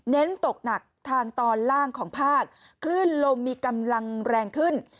เน้นตกหนักทางตอนล่างของภาคคลื่นลมมีกำลังแรงขึ้น